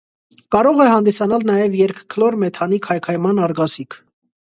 Կարող է հանդիսանալ նաև երկքլոր մեթանի քայքայման արգասիք։